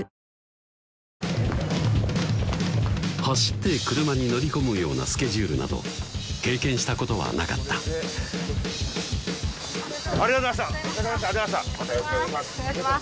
走って車に乗り込むようなスケジュールなど経験したことはなかったありがとうございました！